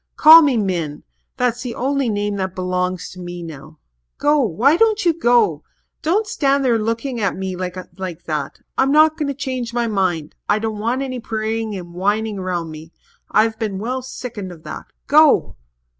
Call me Min that's the only name that belongs to me now. Go why don't you go? Don't stand there looking at me like that. I'm not going to change my mind. I don't want any praying and whining round me. I've been well sickened of that. Go!"